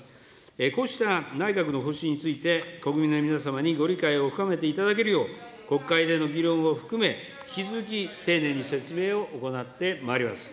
こうした内閣の方針について、国民の皆様にご理解を深めていただけるよう、国会での議論を含め引き続き丁寧に説明を行ってまいります。